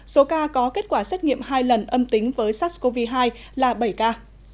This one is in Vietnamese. số ca có kết quả xét nghiệm hai lần âm tính với sars cov hai là bảy ca